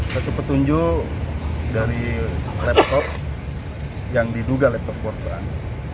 satu petunjuk dari laptop yang diduga laptop korban